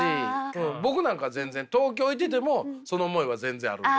僕なんか全然東京いててもその思いは全然あるんで。